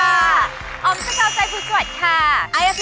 อายุพริกพิธี